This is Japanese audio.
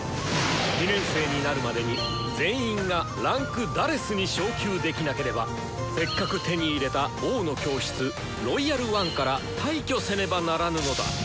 ２年生になるまでに全員が位階「４」に昇級できなければせっかく手に入れた「王の教室」「ロイヤル・ワン」から退去せねばならぬのだ！